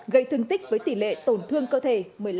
gây thương tích với tỷ lệ tổn thương cơ thể một mươi năm